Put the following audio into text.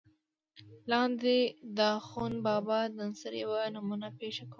لاندې دَاخون بابا دَنثر يوه نمونه پېش کوم